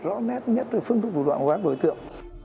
rõ nét nhất về phương thức thủ đoạn của các đối tượng